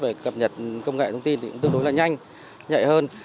về cập nhật công nghệ thông tin thì cũng tương đối là nhanh nhẹ hơn